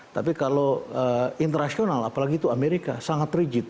tapi kalau internasional apalagi itu amerika sangat rigid